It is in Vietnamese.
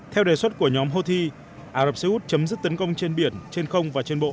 theo đề xuất của nhóm houthi ả rập xê út chấm dứt tấn công trên biển trên không và trên bộ